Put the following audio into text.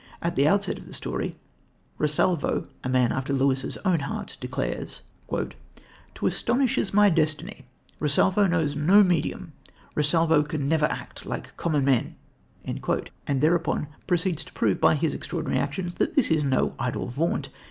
At the outset of the story, Rosalvo, a man after Lewis's own heart, declares: "To astonish is my destiny: Rosalvo knows no medium: Rosalvo can never act like common men," and thereupon proceeds to prove by his extraordinary actions that this is no idle vaunt.